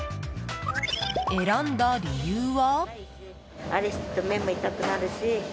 選んだ理由は。